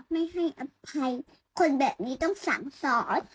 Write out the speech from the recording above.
ไม่ให้อภัยคนแบบนี้ต้องสั่งสอน